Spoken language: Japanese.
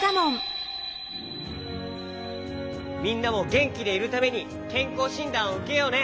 みんなもげんきでいるためにけんこうしんだんをうけようね。